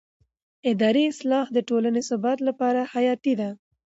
اداري اصلاح د ټولنې ثبات لپاره حیاتي دی